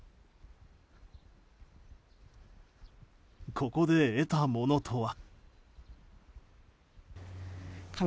ここで得たものとは。